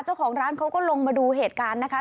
เจ้าของร้านเขาก็ลงมาดูเหตุการณ์นะคะ